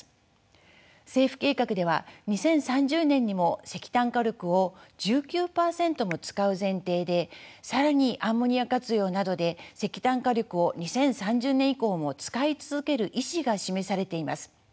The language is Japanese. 政府計画では２０３０年にも石炭火力を１９％も使う前提で更にアンモニア活用などで石炭火力を２０３０年以降も使い続ける意思が示されています。